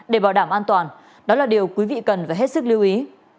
để bảo đảm an toàn đó là điều quý vị cần phải hết sức lưu ý